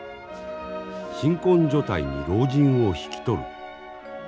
新婚所帯に老人を引き取る。